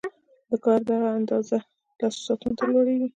د کار دغه اندازه لسو ساعتونو ته لوړېږي